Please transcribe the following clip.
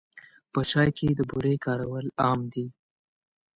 په چای کې د بوري کارول عام دي.